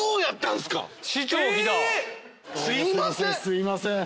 すいません。